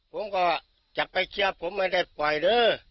ผมก็จะไปเชื่อผมไม่ได้ปล่อยเลย